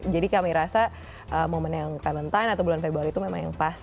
jadi kami rasa momen yang valentine atau bulan februari itu memang yang pas